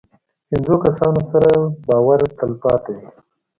پخو کسانو سره باور تل پاتې وي